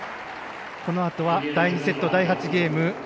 このあとは第２セット第８ゲーム。